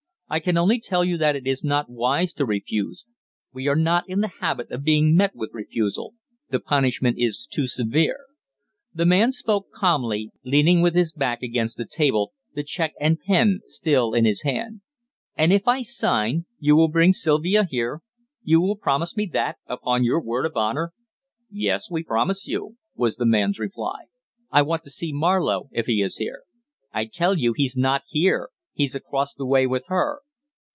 I can only tell you that it is not wise to refuse. We are not in the habit of being met with refusal the punishment is too severe." The man spoke calmly, leaning with his back against the table, the cheque and pen still in his hand. "And if I sign, you will bring Sylvia here? You will promise me that upon your word of honour?" "Yes, we promise you," was the man's reply. "I want to see Marlowe, if he is here." "I tell you he's not here. He's across the way with her."